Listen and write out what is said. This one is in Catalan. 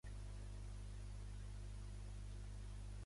La Sol seu cohibida a comissaria, al costat d'en Garota.